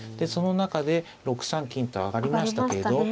その中で６三金と上がりましたけれど。